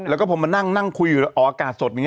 แล้วก็ผมมานั่งคุยเอาอากาศสดอย่างนี้